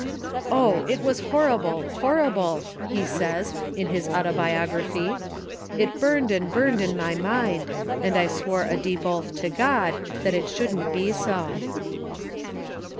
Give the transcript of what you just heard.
"Oh, it was horrible, horrible !*' he says in liis "Autobiogra phy." " It burned and burned in my mind ; and I swore a deep oath to God that it shouldn't be so."